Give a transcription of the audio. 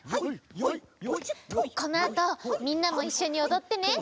このあとみんなもいっしょにおどってね！